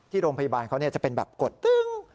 โรงพยาบาลเขาจะเป็นแบบกดตึ้ง